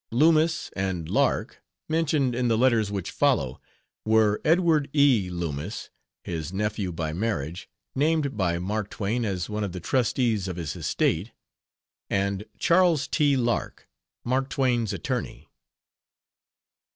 "Loomis" and "Lark," mentioned in the letters which follow, were Edward E. Loomis his nephew by marriage named by Mark Twain as one of the trustees of his estate, and Charles T. Lark, Mark Twain's attorney.